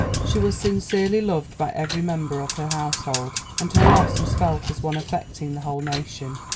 She was sincerely loved by every member of her household, and her loss was felt as one affecting the whole nation.